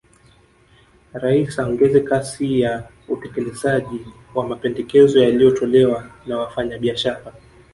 Rais aongeze kasi ya utekelezaji wa mapendekezo yaliyotolewa na Wafanyabiashara